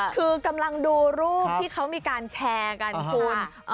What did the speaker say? คือกำลังดูรูปที่เขามีการแชร์กันคุณ